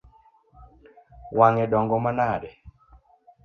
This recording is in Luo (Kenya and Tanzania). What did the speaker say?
Wang’e dongo manade?